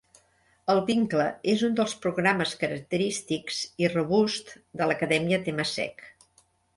El vincle és un dels programes característics i robusts de l'acadèmia Temasek.